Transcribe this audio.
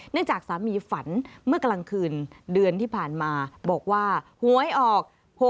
จากสามีฝันเมื่อกลางคืนเดือนที่ผ่านมาบอกว่าหวยออก